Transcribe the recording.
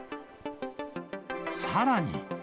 さらに。